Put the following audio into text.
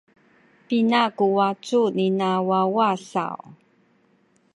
Pina ku wacu nina wawa saw?